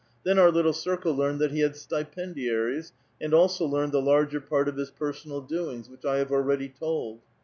Then our little circle learned that he had stipendiaries, and also learned the larger part of his personal doings, which 1 have already told.